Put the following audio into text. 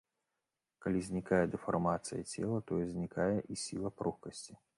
Калі знікае дэфармацыя цела, тое знікае і сіла пругкасці.